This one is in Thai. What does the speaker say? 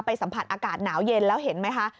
สัมผัสอากาศหนาวเย็นแล้วเห็นไหมคะ